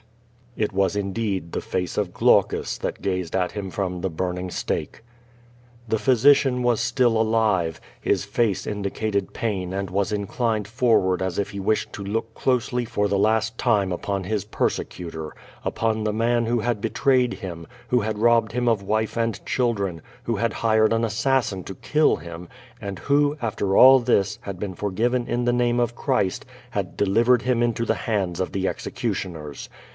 It was indeed the face of Glaucus that gazed at him from the burning stake. The j)hysician was still alive. Ilis face indicated pain and was inclined forward as if he wished to look closely for the last time upon his persecutor; upon the man who had betrayed him, who had robbed him of wife and children, who had hired an assassin to kill him, and who, after all this, had been for given in the name of Christ, had delivered him into the hands of the executioners.